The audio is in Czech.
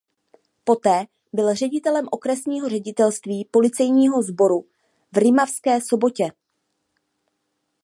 Poté byl ředitelem Okresního ředitelství policejního sboru v Rimavské Sobotě.